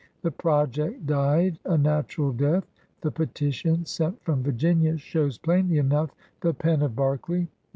The project died a natural death. The petition sent from Virginia shows plainly enough the pen of Berkeley.